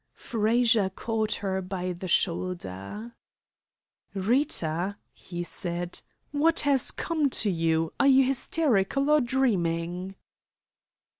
Frazer caught her by the shoulder. "Rita," he said, "what has come to you? Are you hysterical, or dreaming?"